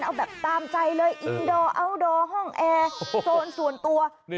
เอาแบบตามใจเลยอินโดอัลดอร์ห้องแอร์โซนส่วนตัว